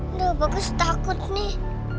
udah bagus takut nih